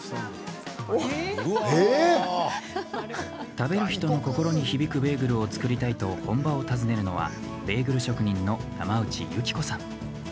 食べる人の心に響くベーグルを作りたいと本場を訪ねるのはベーグル職人の山内優希子さん。